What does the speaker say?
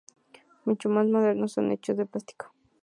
Mucho más modernos son los hechos de plástico.